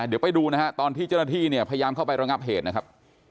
เดี๋ยวไปดูนะฮะตอนที่เจ้าหน้าที่เนี่ยพยายามเข้าไประงับเหตุนะครับ